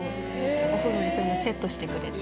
お風呂にセットしてくれて。